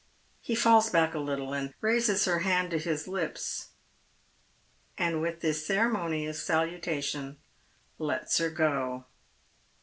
He falls back a little, and raises her hand to his lips, and with this ceremonious salutation lets her go.